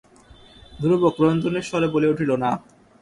ধ্রুব ক্রন্দনের স্বরে বলিয়া উঠিল, না।